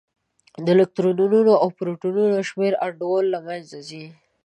د الکترونونو او پروتونونو شمېر انډول له منځه ځي.